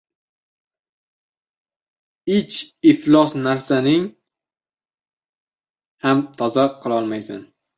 • Ichi iflos narsaning tashqarisini ham toza qilolmaysan.